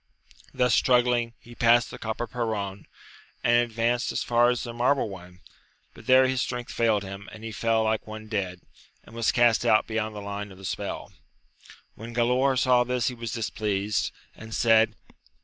Thus struggling, he passed the copper perron, and advanced as far as the marble one, but there his strength failed him, and he fell like one dead, and was cast out beyond the line of the spell. When Galaor saw this he was displeased, and said.